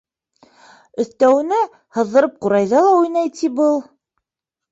Өҫтәүенә, һыҙҙырып ҡурайҙа ла уйнай, ти, был.